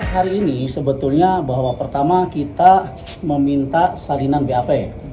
hari ini sebetulnya bahwa pertama kita meminta salinan bap